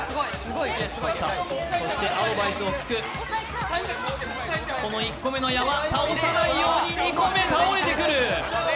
アドバイスを聞く、この１個目の山、倒さないように２個目、倒れていく。